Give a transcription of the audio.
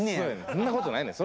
そんなことないねん。